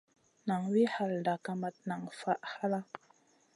Naŋ wi halda, kamat nan faʼ halla.